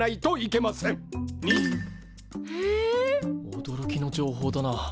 おどろきの情報だな。